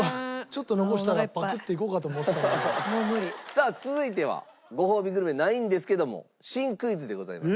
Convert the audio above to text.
さあ続いてはごほうびグルメないんですけども新クイズでございます。